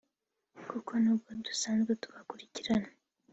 kuko n’ubwo dusanzwe tubakurikirana